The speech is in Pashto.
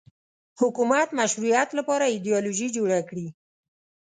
حکومت مشروعیت لپاره ایدیالوژي جوړه کړي